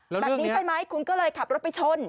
แบบนี้ใช่ไหมคุณก็เลยขับรถไปชน